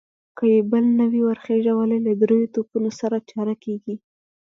که يې بل نه وي ور خېژولی، له درېيو توپونو سره چاره کېږي.